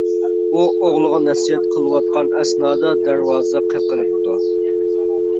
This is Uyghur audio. ئۇ ئوغلىغا نەسىھەت قىلىۋاتقان ئەسنادا دەرۋازا قېقىلىپتۇ.